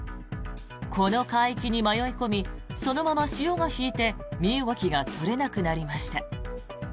この海域に迷い込みそのまま潮が引いて身動きが取れなくなりました。